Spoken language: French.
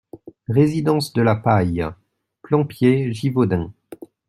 Résidence de la Paille, Plaimpied-Givaudins